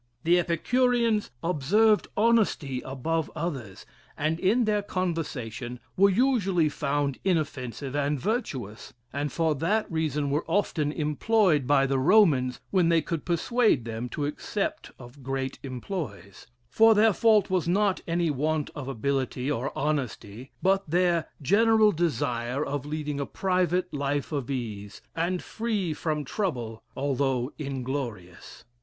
The Epicureans observed honesty above others, and in their conversation were usually found inoffensive and virtuous, and for that reason were often employed by the Romans when they could persuade them to accept of great employs, for their fault was not any want of ability or honesty, but their general desire of leading a private life of ease, and free from trouble, although inglorious.